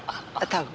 多分。